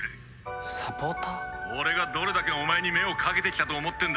俺がどれだけお前に目をかけてきたと思ってんだ？